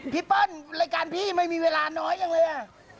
พี่ป้อนรายการพี่ไม่มีเวลาน้อยอย่างเลย